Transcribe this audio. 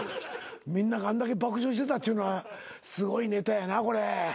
みんながあんだけ爆笑してたっちゅうのはすごいネタやなこれ。